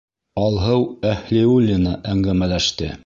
Алһыу ӘҺЛИУЛЛИНА әңгәмәләште.